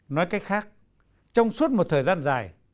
nói cách khác trong suốt một thời gian dài